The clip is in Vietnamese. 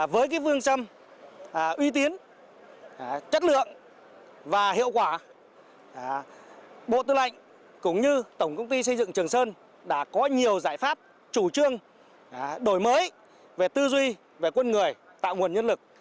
với phương châm uy tín chất lượng và hiệu quả bộ tư lệnh cũng như tổng công ty xây dựng trường sơn đã có nhiều giải pháp chủ trương đổi mới về tư duy về quân người tạo nguồn nhân lực